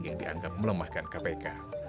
yang dianggap melemahkan kpk